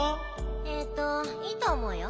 えっといいとおもうよ。